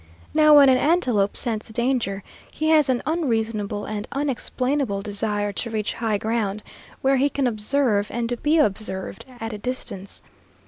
Now when an antelope scents danger, he has an unreasonable and unexplainable desire to reach high ground, where he can observe and be observed at a distance.